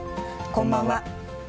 こんばんは。